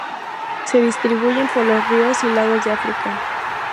Se distribuyen por los ríos y lagos de África.